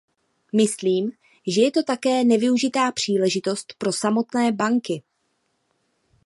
Myslím, že je to také nevyužitá příležitost pro samotné banky.